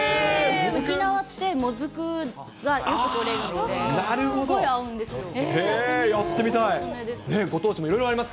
沖縄ってもずくってよく取れるので、すごい合うんですよ。